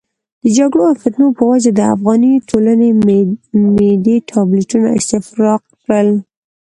د جګړو او فتنو په وجه د افغاني ټولنې معدې ټابلیتونه استفراق کړل.